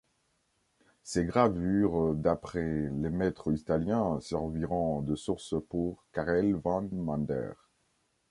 Ses gravures d'après les maîtres italiens serviront de source pour Carel van Mander.